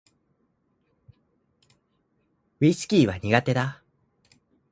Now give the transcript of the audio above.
ウィスキーは苦手だ